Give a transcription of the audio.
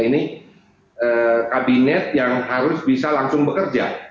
ini kabinet yang harus bisa langsung bekerja